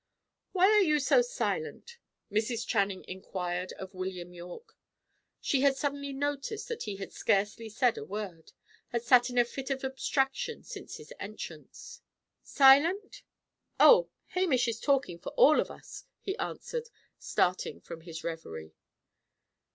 "Why are you so silent?" Mrs. Channing inquired of William Yorke. She had suddenly noticed that he had scarcely said a word; had sat in a fit of abstraction since his entrance. "Silent? Oh! Hamish is talking for all of us," he answered, starting from his reverie.